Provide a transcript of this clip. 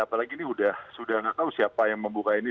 apalagi ini sudah tidak tahu siapa yang membuka ini